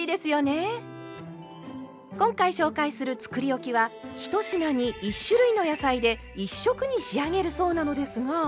今回紹介するつくりおきは１品に１種類の野菜で１色に仕上げるそうなのですが。